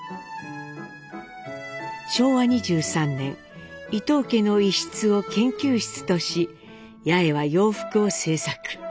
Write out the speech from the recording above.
昭和２３年伊藤家の一室を研究室とし八重は洋服を制作。